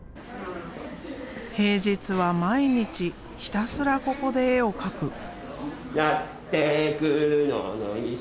平日は毎日ひたすらここで絵を描く。